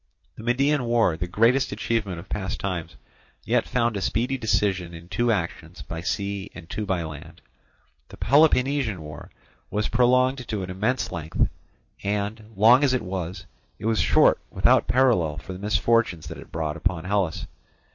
The Median War, the greatest achievement of past times, yet found a speedy decision in two actions by sea and two by land. The Peloponnesian War was prolonged to an immense length, and, long as it was, it was short without parallel for the misfortunes that it brought upon Hellas.